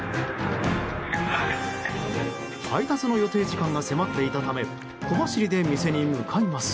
配達の予定時間が迫っていたため小走りで店に向かいます。